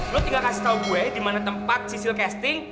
lo tinggal kasih tau gue dimana tempat sisil casting